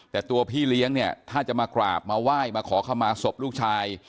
แต่ตัวพี่เลี้ยงเนี่ยถ้าจะมากราบมาไหว้มาขอเข้ามาศพลูกชาย